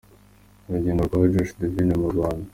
Urugendo rwa Josh Devine mu Rwanda.